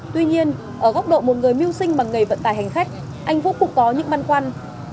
tuy nhiên ở góc độ một người mưu sinh bằng nghề vận tải hành khách anh phúc cũng có những băn khoăn